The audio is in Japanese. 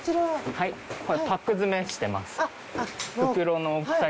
はいこれパック詰めしてます。